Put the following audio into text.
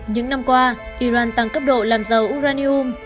những năm qua iran tăng cấp độ làm dầu uranium